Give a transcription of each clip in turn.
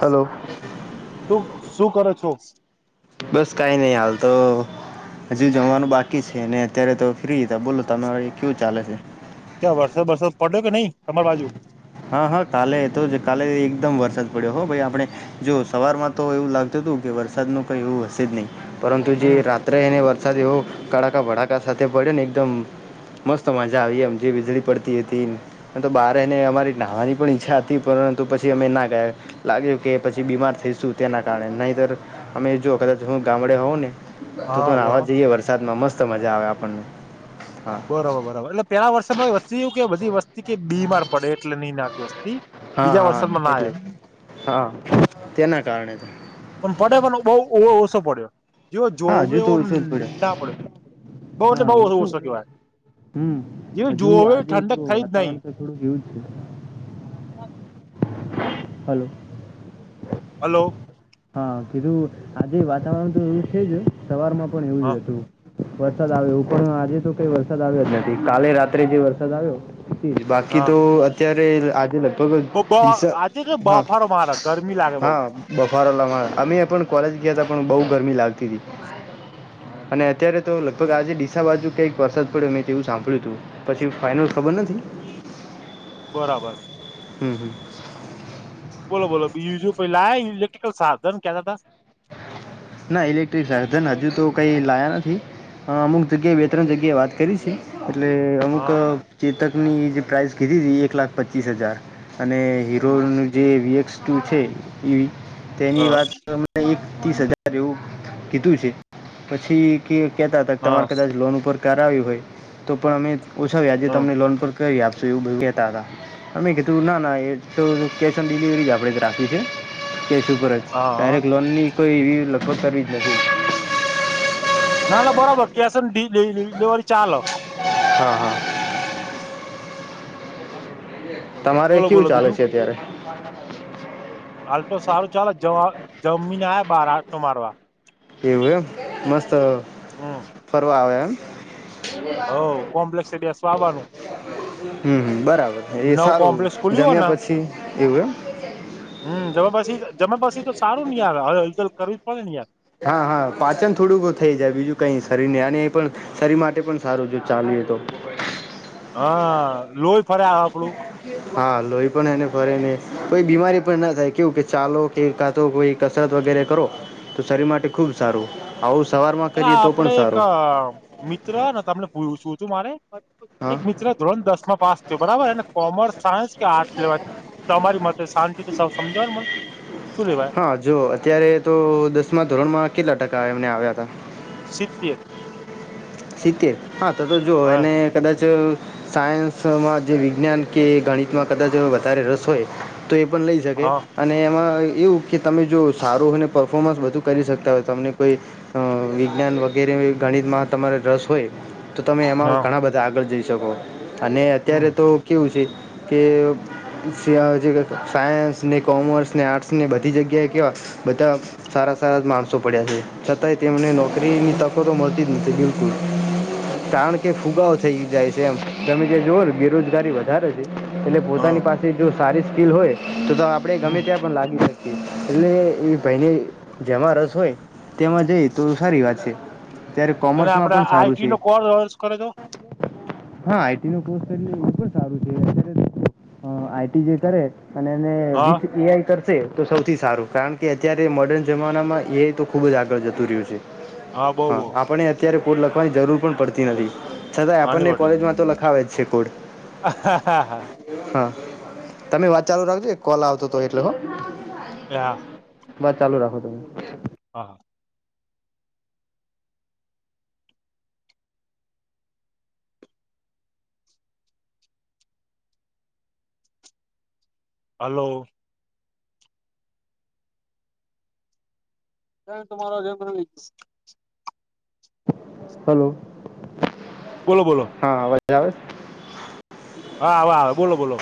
Hello, તું શું કરો છો? બસ કાઈ નહી હાલ તો, હજુ જમવાનું બાકી છે ને અત્યારે તો ફ્રી હતા બોલો તમારે કેવું ચાલે છે. ક્યાં વરસદ બરસદ પડ્યો કે નઈ તમારા બાજુ. હા હા કાલે તો જ કાલે એકદમ વરસાદ પડ્યો હો ભાઈ આપણે, જો સવારમાં તો એવું લાગતું હતું કે વરસાદ નુ કઈ એવું હશે જ નહી પરંતુ જે હમ રાત્રે એને વર સાદ એ હો કડાકા ભડાકા સાથ પડ્યોને એકદમ, મસ્ત મજા આવી એમ જે વીજળી પડતી હતી તો બારને અમારી, નાહવાની પણ ઈચ્છા હતી પરંતુ પછી અમે ના ગયા. લાગ્યું કે પછી બીમાર થઈશું તેના કારણે નહીતર અમે જો કદાચ હું ગામડે હોઉં ને તો હા તો વાહ નાવા જઈએ વરસાદમાં મસ્ત મજા આવે આપણને હા બરોબર બરોબર એટલે પેલા વર્ષમાં વસ્તુ એવ કે બધી વસ્તી કે બીમાર પડે એટલે નહી નાખ્યુંતુ હા હા એટલે જ હા તેના કારણે પણ પડે પણ બહુ ઓ ઓછો પયડો. જેવો હા જોવે હજુ તો એવો ઓછો જ પડ્યો ના પડયો બહ એટલે બઉ ઓસો કેવાય હમ્મ જે હજુ જોવે આજે ઠંડક જો થઈ જ નહી વાતાવરણ થોડુક એવું જ છે હલો હલો હા કીધું આજે વાતાવરણ તો એવું છે જ સવાર માં પણ એવું જ હા હતું. વરસાદ આવ્યો એવું પણ આજે તો કઈ વરસાદ આવ્યો જ નથી કાલે રાત્રે જે વરસાદ આવ્યો બાકી હા તો અત્યારે આજે આજે કે [unintelligible] હા બફારો મારે ગરમી લાગે બઉ હા બફારો [unintelligible] અમે પણ કોલેજ ગયા ત પણ બહુ ગરમી લાગતી હતી. અને અત્યારે તો લગભગ આજે ડીસા બાજુ કઈક વરસાદ પડ્યો મેં તેવું સાંભળ્યું હતું. પછી ફાાઈનલ ખબર નથી. બરાબર હમ્મ હમ્મ બોલો બોલો બીજું કઈ લાયા ઇલેક્ટ્રિકલ સાધન કેતા તા ના ઇલેક્ટ્રિક [unintelligible] હજુ તો કઈ લાયા નથી હા અમુક જગ્યાએ બે ત્રણ જગ્યાએ વાત કરી છે એટલે અમુક હા ચેતકની જે પ્રાઇસ કીધી હતી એક લાખ પચ્ચીસ હજાર અને હીરોનું જે [unintelligible] છે તેની હા વાત એક ત્રીસ હજાર એવું કીધું છે પછી કે કહેતા હતા કે હા તમારે કદાચ લોન ઉપર કરાવી હોય તો પણ અમે ઓછા વ્યાજે આજે હા તમને લોન પર કરી આપશું એવું કેતાતા અમે કીધું ના ના એ તો કેશ ઓન ડિલિવરી આપણેે જ રાખી છે કેશ ઉપર જ હા લોન ની કોઈ એવી લગભગ કરી જ નથી ના ના બરોબર કેસ ઓન ડિલિવરી ચાલ હા હા તમારે બોલો કેવું બોલો ચાલે બીજું છે અત્યારે હાલ તો સારું ચાલે જવા જમીને આયા બાર આટો મારવા એવું એમ મસ્ત હમ ફરવા આવે એમ હવ કોમ્પ્લેક્ષ બેસવા આવાનું હમ્મ હમ્મ બરાબર છે એ નવ સારું કોમ્પ્લેક્ષ ખુલ્યું હોય જમ્યા પછી એવું એમ હમ્મ જમાપસી જમાપસી તો સારું ની [unintelligible] કરવી જ પડે યાર હા હા પાચન થોડુંક થઈ જાય બીજું કઈ શરીર ને અને એ પણ શરીર માટે પણ સારું જો ચાલીએ તો હા લોહી ફરે આપણું હા લોહી પણ એને ફરે ને કોઈ બીમારી પણ ના થાય કેવું કે ચાલો [unintelligible] તો કોઈ કસરત વગેરે કરો તો શરીર માટે ખૂબ સારું આવું સવારમાં અને કરીએ તો પણ આપડે એક સારું મિત્ર ને [unintelligible] મારે હા ધોરણ દસમાં પાસ થયો બરાબર અને કોમર્સ સાયન્સ આર્ટસ લેવાય તમારી મતે શાંતિ સમજવાનું મન શું લેવાય હા જો અત્યારે તો દસમા ધોરણમાં કેટલા ટકા એમને આવ્યા હતા સિત્તેર સિત્તેર હા તો તો જો હ એને હા કદાચ સાયન્સમાં જે વિજ્ઞાન કે ગણિતમાં કદાચ વધારે રસ હોય. તો એ પણ લઈ શકે અને એમાં એવું કે તમે જો સારું હોયને પરફોમન્સ બધું કરી શકતા હોય તમને કોઈ અ વિજ્ઞાન વગેરે ગણિત મા તમારે રસ હોય તો તમે એમાં હા ઘણા બધા આગળ જઈ શકો. અને અત્યારે હમ તો કેવું છે કે સીયાઅજી કટ સાયન્સને કોમર્સને આર્ટસને બધી જગ્યાએ કેવાં. બધાં સારાં સારાં માણસો પડ્યા છે છતાંય તેમને નોકરીની તકો મળતી. હમ તે બિલકુલ. કારણ કે ફુગાવો થઈ જાય છે એમ તમે જે જોઓ ને બેરોજગારી વધારે છે. એટલે હા પોતાની પાસે જો સારી સ્કીિલ હોય તો તો આપડે હમ ગમે ત્યાં પણ લાગી શકે. એટલે એ ભાઈને જેમાં રસ હોય તેમાં જઈ તો સારી વાત છે. અત્યારે અને કોમર્સમાં આપડે પણ સારું આઈટી છે. નો કોર્સ કરે તો હા આઈટીનો કોર્સ કરી એ ખુબજ સારું છે અત્યારે આઈટી જે કરે. અને એને હા વિથ એઆઈ તરફ તે તો સૌથી સારું કારણ કે અત્યારે મોર્ડર્ન જમાનામાં એ તો ખુબ જ આગળ જતું રહ્યું છે. બઉ હા બઉ આપણે અત્યારે કોડ લખવાની જરૂર પણ પડતી નથી. છતા આપણને કોલેજમાં તો લખાવે જ છે કોડ હા હા હા. હા તમે વાત ચાલુ રાખજો કોલ આવતો તો એટલે હ લા બસ ચાલુ રાખો તમે હા હા. હાલો. મેય તમારા જેમ પ્રવિક્ષ. હાલો. બોલો બોલો. હા અવાજ આવે છે. હા આવે આવે બોલો બોલો.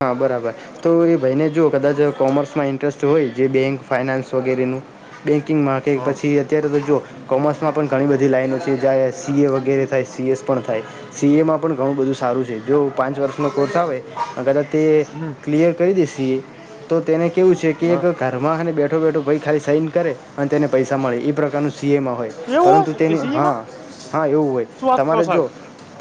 હા બરાબર. તો એ ભાઈને જો કદાચ કોમર્સમાં ઇન્ટરેસ્ટ હોય જે બેંક ફાઈનાન્સ વગેરેનું. બેંકિંગમાં કે હા પછી અત્યારે તો જો કોમર્સમાં પણ ઘણી બધી લાઈનો છે જ્યાં સી એ વગેરે થાય સી એસ પણ થાય. સી. એમાં પણ ઘણું બધું સારું છે જો પાંચ વર્ષનો કોર્સ આવે. અ કદાચ તે હમ ક્લિયર કરી દેસી તો તેને કેવું છે કે એક હા કા રમારાકને બેઠો બેઠો ભાઈ ખાલી સાઈન કરે અને તેને પૈસા મળે એ પ્રકારનું સીએમાં હોય. એવું પરંતુ હશે કે તેની સી એમાં હા હા એવું હોય શું વાત કરો તમારે જો સાહેબ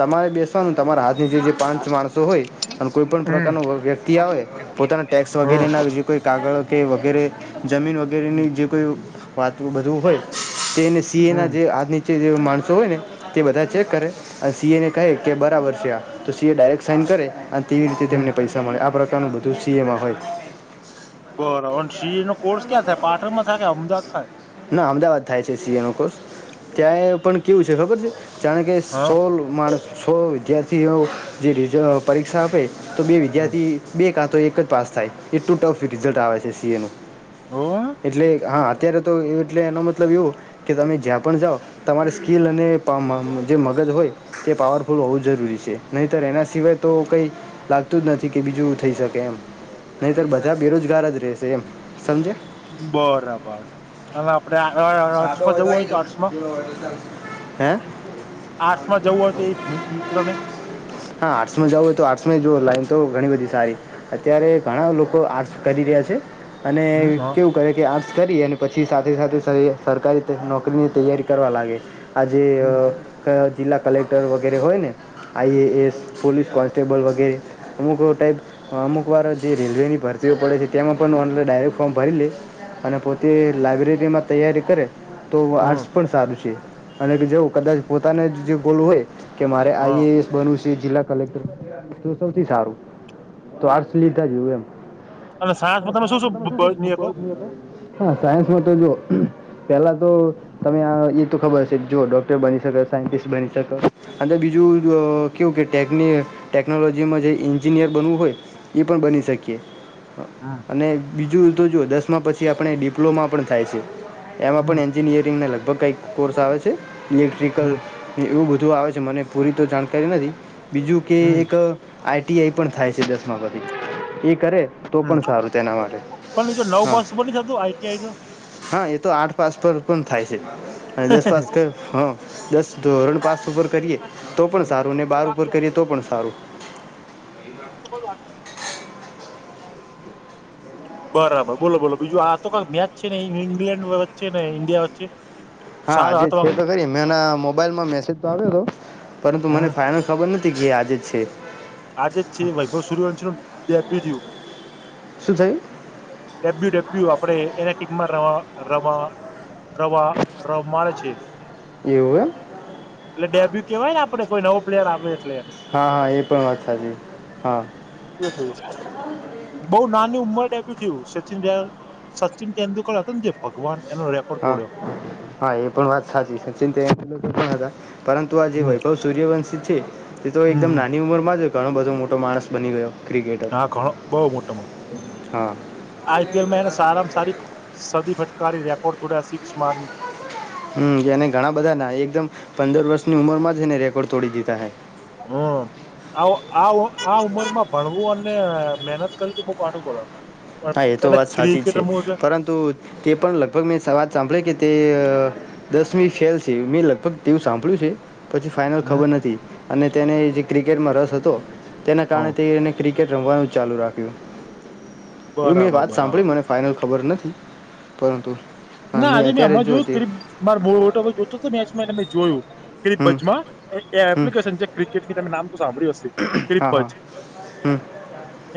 તમારે બેસવાનું તમારા હાથની નીચે જે પાંચ માણસો હોય. અને કોઈ પણ પ્રકાર હમ વ્યક્તિ આવે પોતાના ટેક્સ હા વગેરેના. કોઈ કાગળ કે વગેરે જમીન હમ વગેરેની જીપ કોઈ વાત બધું હોય તેને સી. એના જે હમ હાથ ની નીચે જે માણસો હોય ને તે બધા ચેક કરે અને સીએને કહે કે બરાબર છે આ તો સીએ ડાયરેક્ટ સાઈન કરે અને તેવી રીતે તેમને પૈસા મળે આ પ્રકારનું બધું સીએમાં હોય. બરોબર સી. એ નો કોર્સ ક્યાં થાય પાટણમાં થાય કે અમદાવાદ થાય. ના અમદાવાદ થાય છે સી. એનો કોર્સ ત્યાં પણ કેવું છે ખબર છે. જાણે કે હા સો માણસ સો વિદ્યાર્થીઓ જે રિજ પરીક્ષા આપે. તો બે વિદ્યાથી બે કા તો એક જ પાસ થાય એટલું ટફ રિઝલ્ટ આવે છે સીએ નું. હમ એટલે હા અત્યારે તો એટલે એનો મતલબ એવું કે તમે જ્યાં પણ જાઓ તમારે સ્કીલ અને પમ જે મગજ હોય. કે પાવરફુલ હોવું જરૂરી છે નહીતર એના સિવાય તો કઈ લાગતું જ નથી કે બીજું થઈ શકે એમ નહીતર બધાં બેરોજગાર જ રહેશે એમ સમજયા બરાબર. અને આપડે અ આટૅસ સાદો માં જવું હોય આવી તો જઉં આર્ટસમાં પીળો હોય તો ચાલશે હે આર્ટ્સમાં જવું હોય તો એ મિત્ર ને. હા આર્ટ્સમાં જવું હોય તો આર્ટ્સમાં જુઓ લાઈન તો ઘણી બધી સારી. અત્યારે ઘણા લોકો આર્ટસ કરી રહ્યા છે. અને હમ હ કેવું કરે કે આર્ટ્સ કરી અને પછી સાથે સાથે સાહે સરકારી નોકરીની તૈયારી કરવા લાગે આજે અ જિલ્લા કલેક્ટર વગેરે હોય ને I A S police constable વગેરે અમુક વાર ટાઈપ અમુક વાર જે રેલવેની ભરતીઓ પડે છે તેમાં પણ ઓનલાઈન ડાયરેક્ટ ફોર્મ ભરી લે. અને પોતે લાયબ્રેરી માં તૈયારી કરે તો હમ આર્ટ પણ સારું છે અને જેવું કદાચ પોતાને જે બોલવું હોય કે મારે હ આઈએસ બનવું છે જિલ્લા કલેક્ટર તો સૌથી સારું તો આર્ટસ લીધા જોયું એમ અને સાંજમાં તમે શું શ બ કો હા સાયન્સમાં તો જો. પેલા તો તમે આ એ તો ખબર હશે જોઓ ડોક્ટર બની શકો સાયન્ટિસ્ટ બની શકાયે. અને બીજું કેવું કેટેક ટેકનોલોજીમાં જે એન્જિનિયર બનવું હોય. ઈ પણ બની શકીએ. હા. અને બીજું તો જુઓ દસમાં પછી આપણે ડિપ્લોમા પણ થાય છે એમાં પણ એન હમ એન્જિનિયરિંગના લગભગ કંઈક કોર્સ આવે છે ઇલેક્ટ્રિકલ હમ એવું બધું આવે છે મને પૂરી તો જાણકારી નથી બીજું કે હમ એક આઈટી આઈ પણ થાય છે દસમા પછી એ કરે. તો હમ પણ સારું તેના માટે પણ બીજો નવ હા. પોસિબલ નહી થતું આઈટીઆઈ તો હા એ તો આઠ પાસ પર પણ થાય છે અને દસ પાસ કર હા દસ ધોરણ પાસ ઉપર કરીએ તો પણ સારું ને બાર ઉપર કરીએ તો પણ સારું. બ વા [inaudible] બરાબર બોલો બોલો બીજું આ તો કક મેચ છે ને ઇંગ્લેન્ડ વચ્ચે ને ઇન્ડિયા વચ્ચે હા સારો આજે હતો છે વાગે તો ખરી મેના મોબાઈલમાં મેસેજ તો આવ્યો હતો પરંતુ મને હમ ફાઈનલ ખબર નથી કે આજે જ છે. આ જે છે વૈભવ સૂર્યવંશ જેપી થયું. શું થયું ડબ્યુ ડબ્યુ આપડે એના ટીમમાં રવા રવા રવા રમાડે છે. એવું એમ એટલે ડેબ્યુ કેવાયને આપડે કોઈ નવો પ્લેયર આવે એટલે એમ હા એ પણ વાત સાચી હા. બઉ નાની ઉંમર ડેબ થયું સચિન ડલ. સચિન તેડુલકર હતોને જે ભગવાન એનો રે. હા હા એ પણ વાત સાચી સચિન તેંડુલકર હતા પરંતુ આ જે હમ વૈભવ સુયૅવંશી સૂર્યવંશી છે તે તો હમ એકદમ હમ નાની ઉંમરમાં જય ઘણો બધો મોટો માણસ બની ગયો. ક્રિકેટર હા ઘણો બહુ મોટા મોટો હા આઈપીએલમાં એને સારામાં સારી સદી ફટકારી રેકોર્ડ તોડ્યા સિક્સ માર. હમ એ અને ઘણા બધા ના એકદમ પંદર વર્ષની ઉંમરમાં જ એને રેકોર્ડ તોડી દીધા હે. હો. આવુ આવુ આ ઉંમર માં ભણવું અને મહેનત કરી છે બહુ કાઢું પડે. હા એ પણ તો અને વાત સાચી ક્રિકેટ છે રમવું એટલે પરંતુ તે પણ લગભગ મેં સ વાત સાંભળે કે તે. દસમી ફેલ છે મેં લગભગ તેવું સાંભળ્યું છે. પછી ફાઈનલ હમ ખબર નથી અને તેને જે ક્રિકેટમાં રસ હતો તેના હ કારણે તેને કિકેટ રમવાનું ચાલુ રાખ્યું. એવી મેં બરાબર વાત બરાબર સાંભળી મને ફાઈનલ ખબર નથી પરંતુ ના અને આજે ભી અત્યારે જો તે હમણા જોયું [unintelligible] હમ બજમાં હમ એપ્લિકેશન છે. ક્રિકેટની તમે નામ તો સાંભળ્યું હશે ક્રિપ હા બજ હા હમ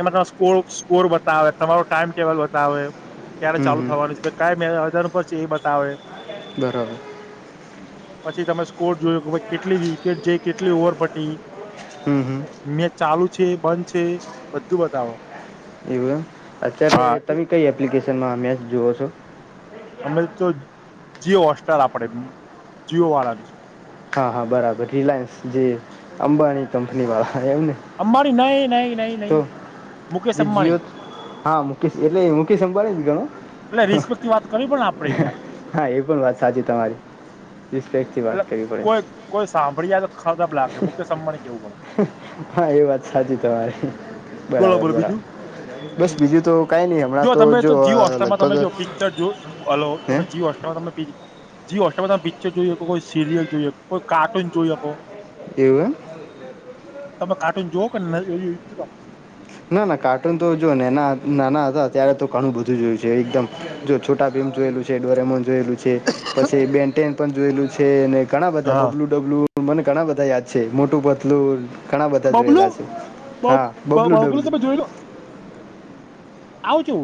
એમાં તમારો સ્કોર બતાવે તમારો ટાઈમ ટેબલ બતાવે ક્યારે હમ ચાલુ હમ થવાની છે. કઈ મેદાન પર છે એ બતાવે બરાબર પછી તમે સ્કોર જોયો હોય કેટલી વિકેટ જેઈ કેટલી ઓવર પડી હમ્મ હમ્મ મેચ ચાલુ છે બંધ છે બધું બતાવો એવું એમ અત્યારે હા તમ કઈ એ એપ્લિકેશન માં મેચ જોઓ છો અમે તો જીઓ હોસ્ટાર આપડે જીઓ વાળાની હા હા બરાબર રિલાયન્સ જે અંબાણી કંપની વાળ એમ ને અંબાણી નહી નહી નહી નહી તો મુકેશ જે જીઓ અંબાણી હા મુકેશ એટલે એ મુકેશ અંબાળી ઘણું એટલે રિસ્પેક્ટ ની વાત કરવી પણ આપડે યાર હા એ પણ વાત સાચી તમારી [inaudible] વાત કર કોયેક કોય સાંભળી જાય તો ખરાબ લાગ્યો મુકેશ અંબાણી કેવું પડે હા એ વાત સાચી તમારે બોલો બરાબર બોલો બરા બીજું બસ બીજું તો કઈની હમણાં તો જો અ-અ-અ તમે જ્યો પિચ્ચર જો હાલો તમે જીઓ હોસ્ટારમે પિ જીઓ હોસ્ટર પર પિક્ચર જોઈ શકો કોઈ સિરિયલ જોઈ શકો કોઈ કાર્ટૂન જોઈ શકો એવું એમ તમે કાર્ટૂન જોઓ કે નલ. [inaudible] ના ના કાર્ટૂન તો જોઅ નેના નાના હતા ત્યારે તો ઘણુંય બધું જોયું છે એકદમ જો છોટા ભીમ જોયેલું છે ડોરેમોન જોયેલું છે પછી બેનટેન પણ જોયેલું છે અને ઘણા બધા હા બબલુ ડબલુ મને ઘણા બધાં યાદ છે મોટું પતલું ઘણાં બધા બબલુ જોયેલા છે હા બબલું ડ કઇ ગ્યો આવજો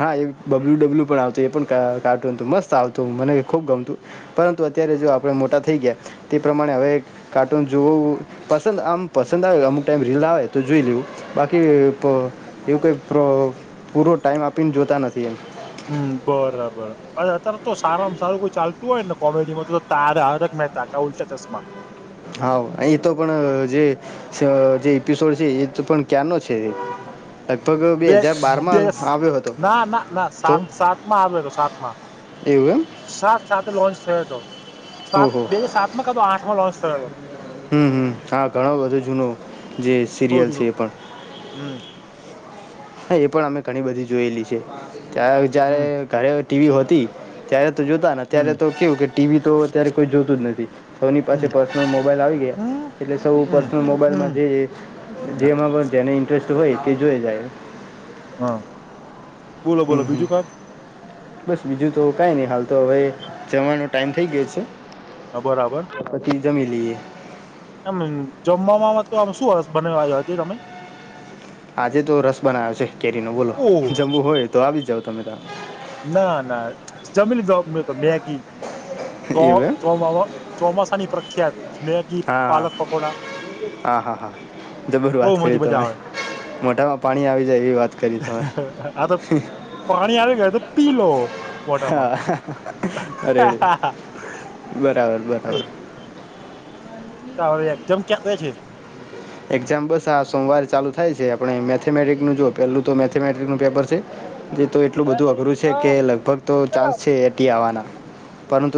હા એ બબલુ-ડબલું પણ આવતું એ પણ કા કાર્ટૂન તો મસ્ત આવતું મને એ ખુબ ગમતું પરંતુ અત્યારે જો આપણેે મોટા થઈ ગ્યા તે પ્રમાણે અવે એક કાર્ટૂન જોવું-વું-વું પસંદ આમ પસંદ આવે અમુક ટાઈમ રીલ આવે તો જોઈ લેવું બાકી એ-એ-એતો એવું કંઈ પ્ર પુરો ટાઈમ આપીને જોતા નથી એમ હમ્મ બરાબર અ-અ-અત્યારે તો સારમ સારું કોઈ ચાલતું ઓય ને કોમેડી માં તો તારક-મહેતા કા ઉલતા તશ્માં હા અહીં ઈતો પણ જે છ જે ઇપિસોડ છે એ તો પણ ક્યાંનો છે. લગભગ અ બે હાજાર બાર બે માં આવ્યો હતો ના ના ના તો સાત સાતમાં આવેલો સાતમાં એવું એમ સાત સાતે લોન્ચ થયો હતો એમ સાત ઓહો બે અજાર સાતમાં કાતો આઠમો લોન્ચ થયો હતો હમ્મ હમ્મ હા ઘણો બધો જૂનો જે સીરિયલ છે એ પણ હમ્મ હે એ પણ અમે ઘણી બધી જોયેલી છે હમ [unintelligible] ઘરે ટીવીઓ હતી. ત્યારે તો જોતા ને ત્યારે હમ તો કેવું કે ટીવી તો અત્યારે કોઈ જોતું જ નથી કોની પાસે હમ પર્સનલ મોબાઈલ આવી ગયા હમ એટલે સૌ પર્સનલ હમ મોબાઈલમાં હમ જે-જે-જે ના, જેમાં પણ જેને ઇન્ટ્રેસ્ટ હોય કે જોઈ જાય હા બોલો બોલો હમ હમ બીજું કામ બસ બીજું તો કઈ ની હાલ તો અવે જમવાનો ટાઈમ થેઈ ગ્યો છે. તો બરાબર પછી જમી લઈયે તમમ જમવામાં વામા તો આમ શું રસ બને આજે તમે? આજે તો રસ બનાયો છે કેરીનો બોલો, ઓહ જમવું હોય તો આવી જાવ તમે તા. ના, ના જમી લીધું અમને તો બેગી એવું ચોક એમ ચોવાવા ચોમાસાની પ્રખ્યાત મેગી, પાલક પકોડા આ હા, હા. જબર બહુ વાત મજી કરી મજા તમે, આવે મોઢામાં પાણી આવી જાય એવી વાત કરી તમે. આ તો પાણી આવી ગયુ તો પી લો મોઢામાં. હા અરે બરાબર, બરાબર. તા હવે એકજામ ક્યાંરે છે? એક્ઝામ બસ આ સોમવારે ચાલુ થાય છે, આપણે મેથેમેટિકનું જો પેલું તો મેથેમેટિકનું પેપર છે, જે તો એટલું બધું અઘરું છે કે લગભગ તો ચાન્સ છે એટી આવવાના, પરંતુ